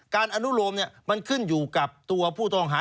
อนุโลมมันขึ้นอยู่กับตัวผู้ต้องหา